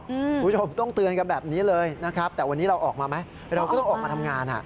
คุณผู้ชมต้องเตือนกันแบบนี้เลยนะครับแต่วันนี้เราออกมาไหมเราก็ต้องออกมาทำงานอ่ะ